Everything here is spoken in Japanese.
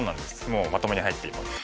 もうまとめに入っています。